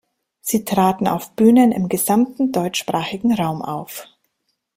Sie traten auf Bühnen im gesamten deutschsprachigen Raum auf.